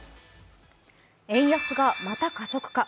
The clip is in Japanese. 円安がまた加速化。